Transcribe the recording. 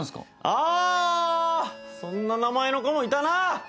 あそんな名前の子もいたなぁ！